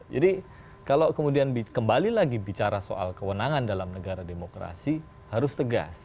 jadi kalau kemudian kembali lagi bicara soal kewenangan dalam negara demokrasi harus tegas